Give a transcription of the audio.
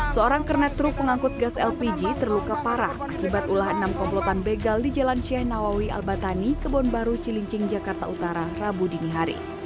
seorang kernet truk pengangkut gas lpg terluka parah akibat ulah enam komplotan begal di jalan sheikh nawawi al batani kebonbaru cilincing jakarta utara rabu dini hari